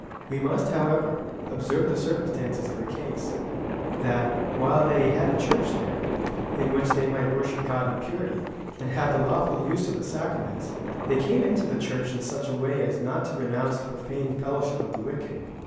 We must, however, ob serve the circumstances of the case — that, while they had a Church there, in which they might worship God in purity, and haA^e the lawful use of the sacraments, they came into the Church in such a way as not to renounce the profane fellowship of the wicked.